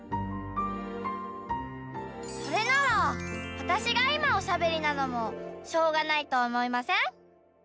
それならわたしがいまおしゃべりなのもしょうがないとおもいません？